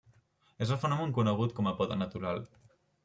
És el fenomen conegut com la poda natural.